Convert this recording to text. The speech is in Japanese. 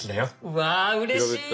うわあうれしい！